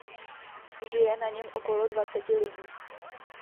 Žije na něm okolo dvaceti lidí.